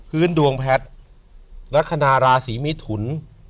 พื้นดวงแพทย์รัฐคณาราศีมิถุน